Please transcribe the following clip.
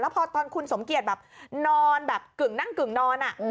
พอตอนคุณสมเกียจแบบนอนแบบกึ่งนั่งกึ่งนอน